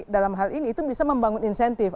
dalam hal ini itu bisa membangun insentif